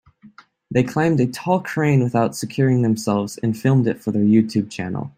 They climbed a tall crane without securing themselves and filmed it for their YouTube channel.